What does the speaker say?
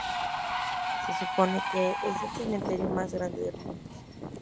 Se supone que es el cementerio más grande del mundo.